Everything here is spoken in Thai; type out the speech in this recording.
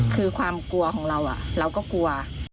คือความกลัวของเราเราก็กลัว